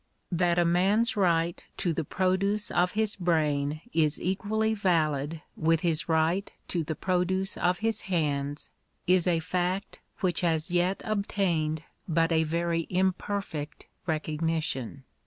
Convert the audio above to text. That a man's right to the produce of his brain is equally valid with his right to the produoe of his hands, is a foot which has yet obtained but a very imperfect recognition.